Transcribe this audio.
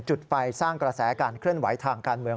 จุดไฟสร้างกระแสการเคลื่อนไหวทางการเมือง